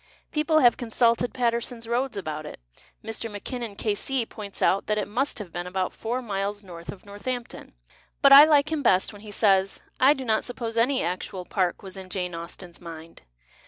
People liave consulted Paterson's Roads about it. Mr. Mackinnon, K.C., points out that it must have been about four miles north of North ampton. But I like him liest when he says, " I do not suppose any actual park was in Jane Austen's mind."